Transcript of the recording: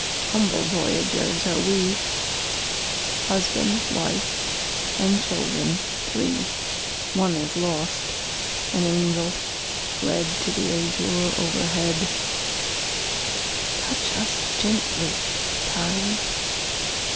Humble voyagers are we, Husband, wife, and children three (One is lost an angel, fled To the azure overhead!) Touch us gently, Time!